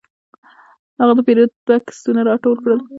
هغه د پیرود بکسونه راټول کړل.